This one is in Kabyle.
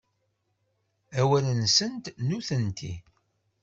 Awal-nsent, nutenti.